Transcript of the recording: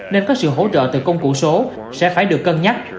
nên có sự hỗ trợ từ công cụ số sẽ phải được cân nhắc